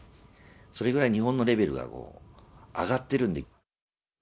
それぐらい、日本のレベルが上がってるんで。